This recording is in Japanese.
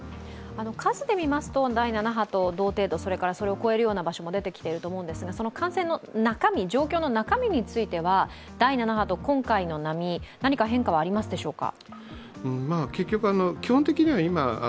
数で見ますと第７波と同程度それからそれを超えるような場所も出てきていると思うんですが、その感染の中身、状況の中身については、第７波と今回の波何か変化はありますでしょうか。